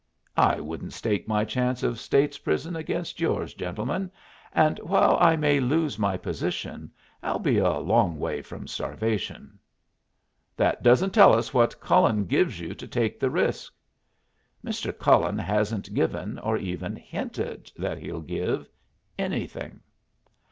"I wouldn't stake my chance of State's prison against yours, gentlemen. And, while I may lose my position, I'll be a long way from starvation." "That doesn't tell us what Cullen gives you to take the risk." "Mr. Cullen hasn't given, or even hinted that he'll give, anything."